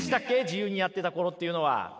自由にやってた頃っていうのは。